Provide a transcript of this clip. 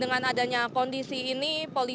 dengan adanya kondisi ini